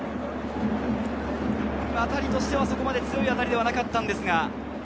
当たりとしてはそこまで強い当たりではなかったんですが。